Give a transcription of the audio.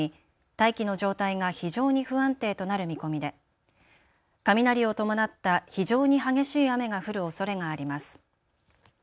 大気の状態が非常に不安定となる見込みで雷を伴った非常に激しい雨が降るおそれがあります。